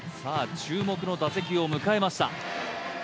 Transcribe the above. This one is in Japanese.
注目の打席を迎えました